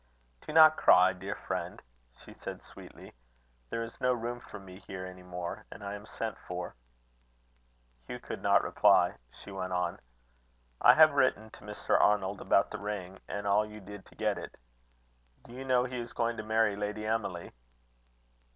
"Do not cry, dear friend," she said sweetly. "There is no room for me here any more, and I am sent for." Hugh could not reply. She went on: "I have written to Mr. Arnold about the ring, and all you did to get it. Do you know he is going to marry Lady Emily?"